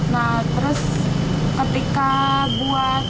nah terus ketika buat